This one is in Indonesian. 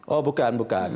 oh bukan bukan